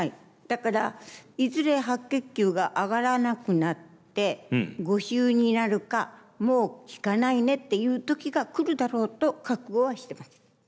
だからいずれ白血球が上がらなくなって５週になるかもう効かないねっていう時が来るだろうと覚悟はしてます。